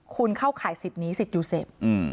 คุณเข้าข่ายสิทธิ์นี้สิทธิยูเสพ